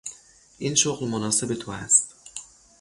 این شغل مناسب تو است!